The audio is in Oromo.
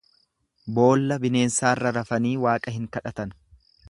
Boolla bineensaarra rafanii Waaqa hin kadhatan.